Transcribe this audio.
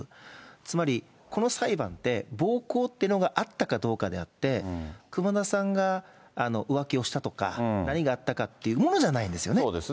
つまりこの裁判って、暴行っていうのがあったかどうかであって、熊田さんが浮気をしたとか、何があったかっていうものじゃないんですよね。